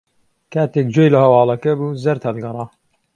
کاتێک گوێی لە ھەواڵەکە بوو، زەرد ھەڵگەڕا.